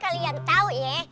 kalian tau ya